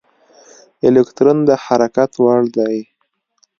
الکترون د حرکت وړ دی.